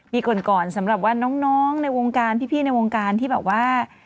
ปีก่อนสำหรับว่าน้องในวงการพี่ในวงการที่แบบว่า